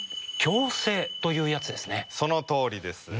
そのとおりです。